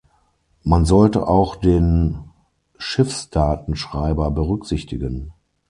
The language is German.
Man sollte auch den Schiffsdatenschreiber berücksichtigen.